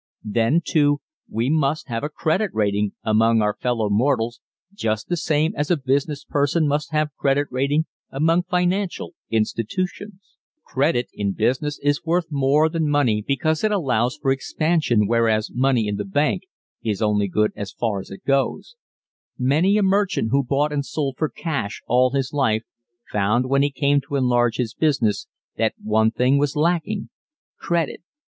Then, too, we must have a credit rating among our fellow mortals, just the same as a business person must have credit rating among financial institutions. [Illustration: Squaring Things With Sister From "The Habit of Happiness"] Credit in business is worth more than money because it allows for expansion whereas money in the bank is only good as far as it goes. Many a merchant who bought and sold for cash all his life found when he came to enlarge his business that one thing was lacking credit.